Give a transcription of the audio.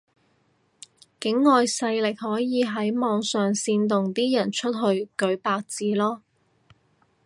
境外勢力可以喺網上煽動啲人出去舉白紙囉